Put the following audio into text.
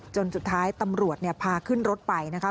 จนสุดท้ายตำรวจพาขึ้นรถไปนะคะ